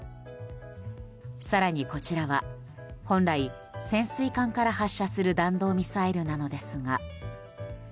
更にこちらは本来、潜水艦から発射する弾道ミサイルなのですが。